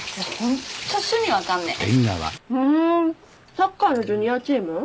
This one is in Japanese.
サッカーのジュニアチーム？